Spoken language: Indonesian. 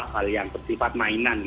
hal yang sifat mainan